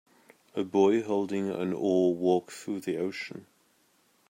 a boy holding an oar walk through the ocean.